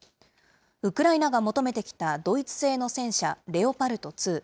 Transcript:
ウクライナが求めてきたドイツ製の戦車、レオパルト２。